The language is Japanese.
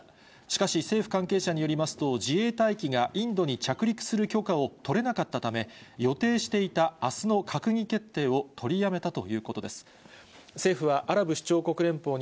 しかし、政府関係者によりますと、自衛隊機がインドに着陸する許可を取れなかったため、予定していたあすの閣議決定を取りやめたということです。